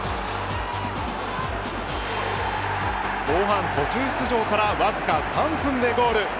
後半途中出場からわずか３分でのゴール。